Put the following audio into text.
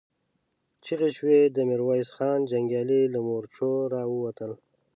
چيغې شوې، د ميرويس خان جنګيالي له مورچو را ووتل.